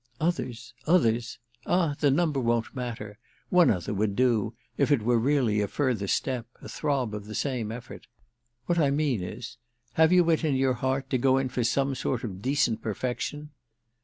"Others—others? Ah the number won't matter; one other would do, if it were really a further step—a throb of the same effort. What I mean is have you it in your heart to go in for some sort of decent perfection?"